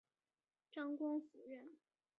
张光辅人。